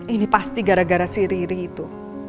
ini pasti gara gara si riri itu